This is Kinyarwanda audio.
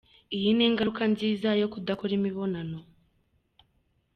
Iyi ni ingaruka nziza yo kudakora imibonano.